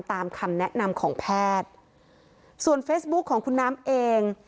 ตามคำแนะนำของแพทย์ส่วนเฟซบุ๊คของคุณน้ำเอง